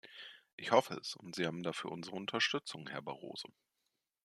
Ich hoffe es und Sie haben dafür unsere Unterstützung, Herr Barroso.